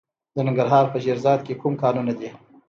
د ننګرهار په شیرزاد کې کوم کانونه دي؟